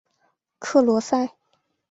克罗塞。